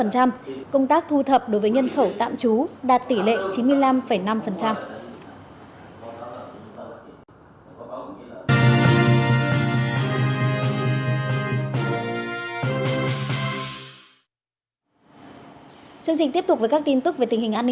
công tác thu thập đối với nhân khẩu tạm trú đạt tỷ lệ chín mươi năm năm